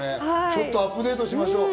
ちょっとアップデートしましょう。